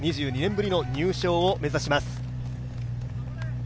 ２２年ぶりの入賞を目指します。